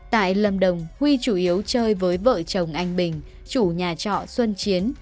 tại lâm đồng huy chủ yếu chơi với vợ chồng anh bình chủ nhà trọ xuân chiến